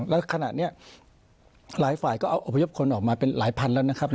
แล้วขณะนี้หลายฝ่ายก็เอาอพยพคนออกมาเป็นหลายพันแล้วนะครับ